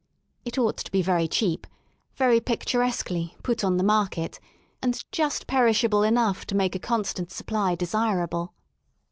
It ought to be very cheap, very picturesquely put on the market," and just perishable enough to make a constant supply desirable.